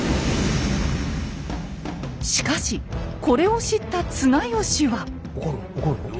しかしこれを知った綱吉は。